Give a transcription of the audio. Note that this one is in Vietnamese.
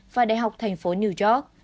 và đại học thành phố new york